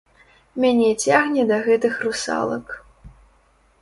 Мяне цягне да гэтых русалак.